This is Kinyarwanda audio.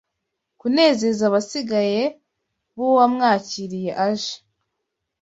Kunezeza abasigaye b'uwamwakiriye aje